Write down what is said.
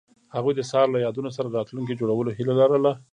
هغوی د سهار له یادونو سره راتلونکی جوړولو هیله لرله.